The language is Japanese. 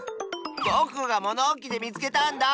ぼくがものおきでみつけたんだ！